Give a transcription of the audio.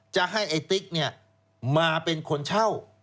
จะให้ไอ้ติ๊กมาเป็นคนเช่า